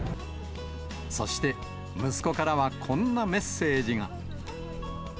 そして、息子からはこんなメッセージが。